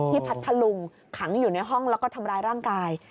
พัทธลุงขังอยู่ในห้องแล้วก็ทำร้ายร่างกาย